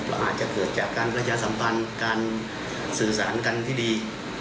อาจจะเกิดจากการประชาสัมพันธ์การสื่อสารกันที่ดี